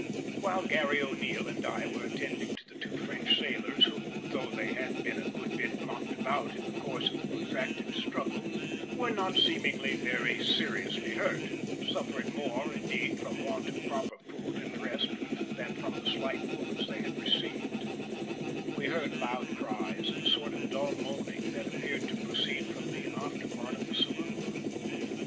While Garry O'Neil and I were attending to the two French sailors who, though they had been a good bit knocked about in the course of the protracted struggle, were not seemingly very seriously hurt, suffering more, indeed, from want of proper food and rest than from the slight wounds they had received, we heard loud cries and a sort of dull moaning that appeared to proceed from the after part of the saloon.